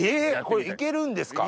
これ行けるんですか？